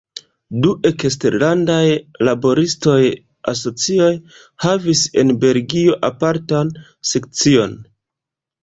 Du eksterlandaj laboristaj asocioj havis en Belgio apartan sekcion.